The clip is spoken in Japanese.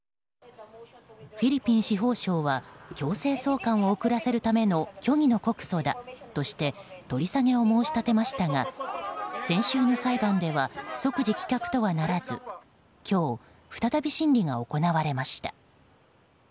フィリピン司法省は強制送還を遅らせるための虚偽の告訴だとして取り下げを申し立てましたが先週の裁判では即時棄却とはならず今日、再び審理が行われました。